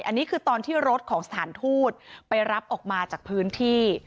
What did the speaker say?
อันนี้คือตอนที่รถของสถานทูตไปรับออกมาจากพื้นที่